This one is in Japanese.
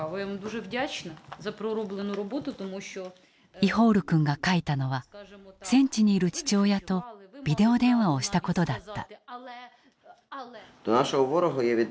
イホール君が書いたのは戦地にいる父親とビデオ電話をしたことだった。